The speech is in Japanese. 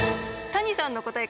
谷さんの答え